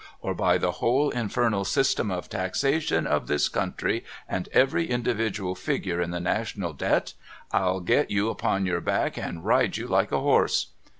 Or l)y the whole infernal system of Taxation of this country and every individual figure in the National Debt, I'll get upon your back and ride you like a horse